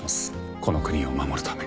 この国を守るために。